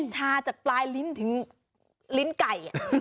ชาจากปลายลิ้นถึงลิ้นไก่